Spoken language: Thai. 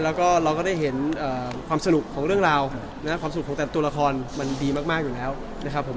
แล้วก็เราก็ได้เห็นความสนุกของเรื่องราวนะครับความสนุกของแต่ตัวละครมันดีมากอยู่แล้วนะครับผม